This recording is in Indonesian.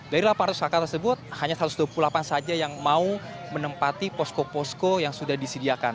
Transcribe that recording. dari delapan ratus kakak tersebut hanya satu ratus dua puluh delapan saja yang mau menempati posko posko yang sudah disediakan